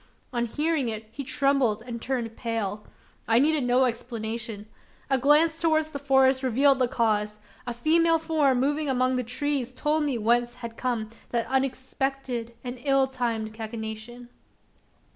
On hearing it, he trembled and turned pale. I needed no explanation. A glance towards the forest revealed the cause. A female form moving among the trees told me whence had come that unexpected and ill timed cachinnation.